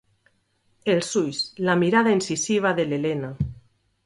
Els ulls, la mirada incisiva de l'Elena.